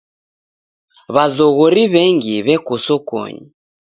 W'azoghori w'engi w'eko sokonyi.